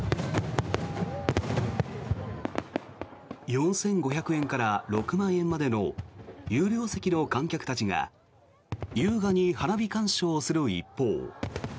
４５００円から６万円までの有料席の観客たちが優雅に花火観賞する一方。